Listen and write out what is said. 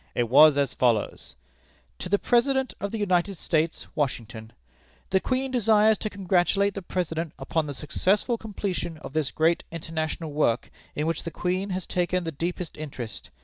It was as follows: "To the President of the United States, Washington: "The Queen desires to congratulate the President upon the successful completion of this great international work, in which the Queen has taken the deepest interest.